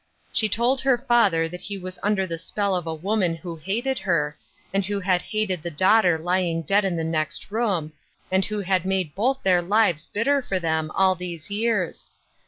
She told her father that he was under the spell of a woman who hated her, and who had hated the daughter lying dead in the next room, and who had made both their lives bitter for them all these years.